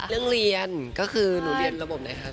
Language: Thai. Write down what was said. เรื่องเรียนก็คือหนูเรียนระบบไหนคะ